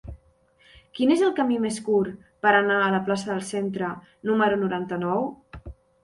Quin és el camí més curt per anar a la plaça del Centre número noranta-nou?